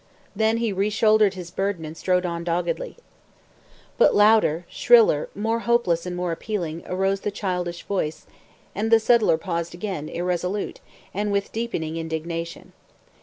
Then he re shouldered his burden and strode on doggedly. But louder, shriller, more hopeless and more appealing, arose the childish voice, and the settler paused again, irresolute, and with deepening indignation.